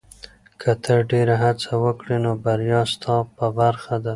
که ته ډېره هڅه وکړې، نو بریا ستا په برخه ده.